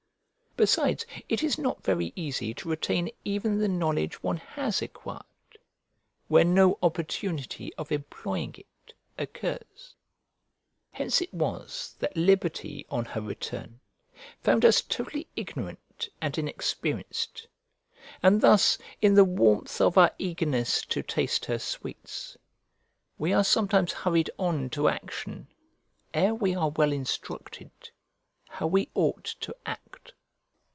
Besides, it is not very easy to retain even the knowledge one has acquired where no opportunity of employing it occurs. Hence it was that Liberty, on her return found us totally ignorant and inexperienced; and thus in the warmth of our eagerness to taste her sweets, we are sometimes hurried off to action, ere we are well instructed how we ought to act.